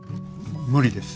無理です。